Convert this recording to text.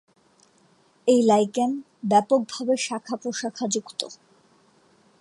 এই লাইকেন ব্যাপকভাবে শাখা-প্রশাখা যুক্ত।